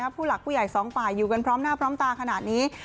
ผู้หลักผู้ใหญ่สองฝ่ายอยู่กันพร้อมหน้าพร้อมตาขนาดนี้